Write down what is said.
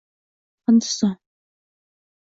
Hindiston.